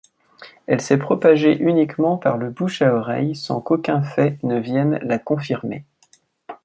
Elle s'est propagée uniquement par le bouche-à-oreille sans qu'aucun fait ne vienne la confirmer.